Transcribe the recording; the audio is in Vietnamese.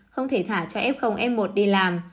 không thể thả cho ép không em một đi làm